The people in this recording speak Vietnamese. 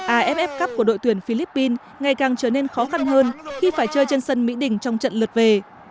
aff cup của đội tuyển philippines ngày càng trở nên khó khăn hơn khi phải chơi trên sân mỹ đình trong trận lượt về